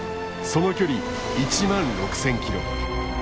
その距離１万６，０００キロ。